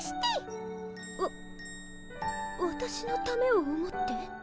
わわたしのためを思って？